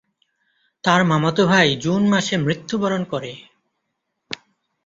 তার মামাতো ভাই জুন মাসে মৃত্যুবরণ করে।